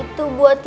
itu buat ibu